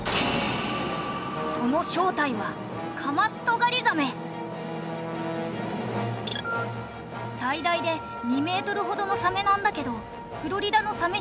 その正体は最大で２メートルほどのサメなんだけどフロリダのサメ